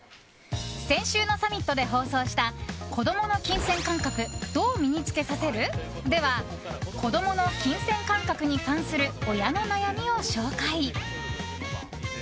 先週のサミットで放送した子供の金銭感覚どう身につけさせる？では子供の金銭感覚に関する親の悩みを紹介。